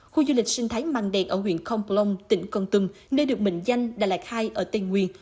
khu du lịch sinh thái măng đen ở huyện con plong tỉnh con tum nơi được mệnh danh đà lạt hai ở tây nguyên